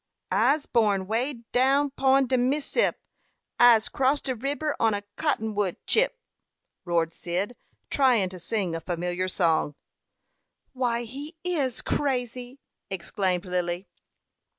'I's born way down 'pon de Mississip; I's crossed de riber on a cotton wood chip,'" roared Cyd, trying to sing a familiar song. "Why, he is crazy!" exclaimed Lily.